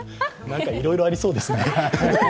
何か、いろいろありそうですね。